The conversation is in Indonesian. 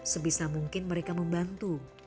sebisa mungkin mereka membantu